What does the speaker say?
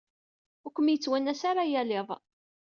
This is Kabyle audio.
Ur kem-yettwanas ara yal iḍ.